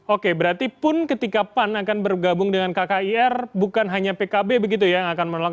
oke berarti pun ketika pan akan bergabung dengan kkir bukan hanya pkb begitu ya yang akan menolak